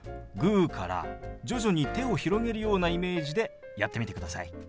グーから徐々に手を広げるようなイメージでやってみてください。